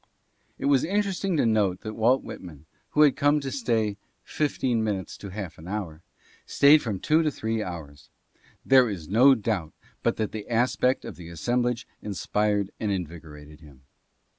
It was interesting to note that Walt Whitman, who had come to stay "fifteen minutes to half an hour," stayed from two to three hours. There is no doubt but that the aspect of the assem blage inspired and invigorated him.